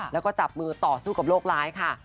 แล้วก็จับมือต่อสู้กับโรคร้ายค่ะ